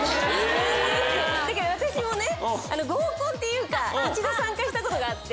私もね合コンっていうか一度参加したことがあって。